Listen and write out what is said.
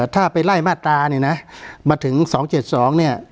ถ้าไปไล่มาตราเนี่ยนะมาถึง๒๗๒เนี่ย